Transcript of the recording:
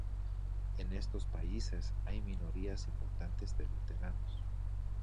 En estos países hay minorías importantes de luteranos.